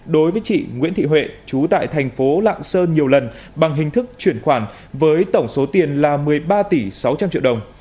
đối với chị nguyễn thị huệ chú tại thành phố lạng sơn nhiều lần bằng hình thức chuyển khoản với tổng số tiền là một mươi ba tỷ sáu trăm linh triệu đồng